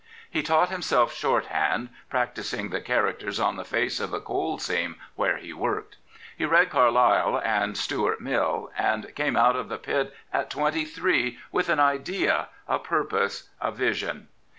He taught himself shorthand, prac tising the characters on the face of the coal seam where he worked. He read Carlyle and Stuart Mill, and came out of the pit at twenty three with an idea, a purpose, a vision.